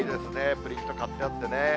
プリント貼ってあってね。